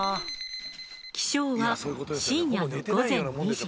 起床は深夜の午前２時。